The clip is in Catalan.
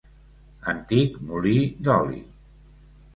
Antic molí d'oli.